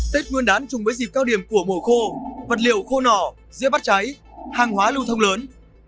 tết nguyên đán chung với dịp cao điểm của mùa khô vật liệu khô nỏ dễ bắt cháy hàng hóa lưu thông lớn